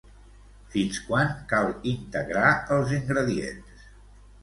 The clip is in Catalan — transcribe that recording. Fins quan cal integrar els ingredients?